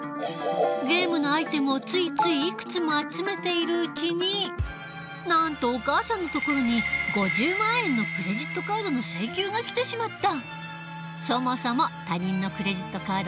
ゲームのアイテムをついついいくつも集めているうちになんとお母さんのところに５０万円のクレジットカードの請求が来てしまった。